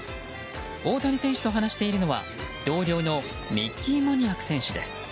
大谷選手と話しているのは同僚のミッキー・モニアク選手です。